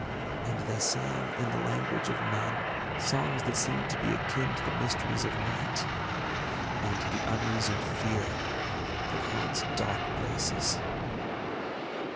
And they sang, in the language of none, songs that seemed to be akin to the mysteries of night and to the unreasoned fear that haunts dark places.